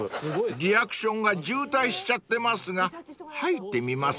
［リアクションが渋滞しちゃってますが入ってみます？］